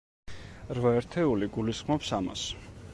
რვა ერთეული გულისხმობს ამას.